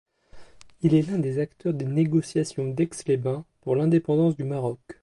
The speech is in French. Il est l'un des acteurs des négociations d'Aix-les-Bains pour l'indépendance du Maroc.